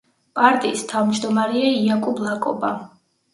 პარტიის თავმჯდომარეა იაკუბ ლაკობა.